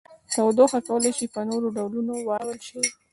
تودوخه کولی شي په نورو ډولونو واړول شي.